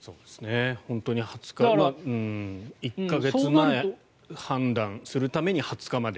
本当に２０日１か月前、判断するために２０日まで。